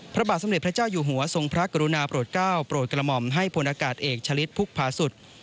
พระบาทสมเด็จพระเจ้าอยู่หัวทรงพระกรุณาโปรดก้าวโปรดกระหม่อมให้พลอากาศเอกชะลิดพุกพาสุทธิ์